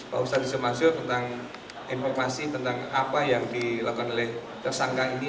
pak ustadz yusuf masyur tentang informasi tentang apa yang dilakukan oleh tersangka ini